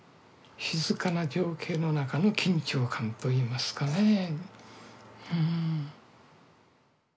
静かな情景の中の緊張感といいますかね。